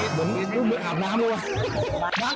หนูเหมือนอาบน้ำเลยวะ